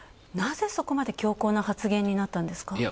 なぜそこまで強硬な発言になったんですか？